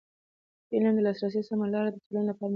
د علم د لاسرسي سمه لاره د ټولنې لپاره مفید ده.